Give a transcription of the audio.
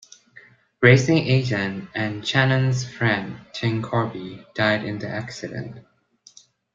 Racing Agent and Channon's friend Tim Corby died in the accident.